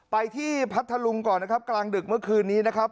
ไปที่พัทธลุงก่อนนะครับกลางดึกเมื่อคืนนี้นะครับ